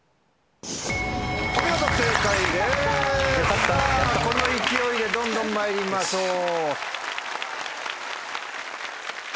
さぁこの勢いでどんどんまいりましょう。